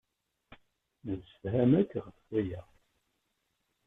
Nemsefham akk ɣef waya.